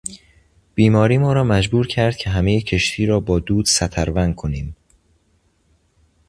بیماری ما را مجبور کرد که همهی کشتی را با دود سترون کنیم.